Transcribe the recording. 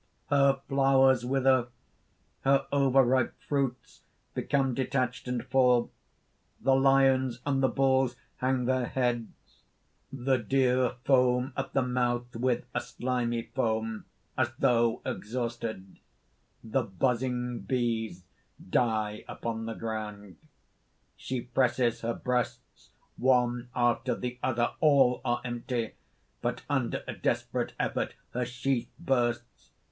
(_Her flowers wither, her over ripe fruits become detached and fall. The lions and the bulls hang their heads; the deer foam at the mouth, with a slimy foam, as though exhausted; the buzzing bees die upon the ground._ _She presses her breasts, one after the other. All are empty! But under a desperate effort her sheath bursts.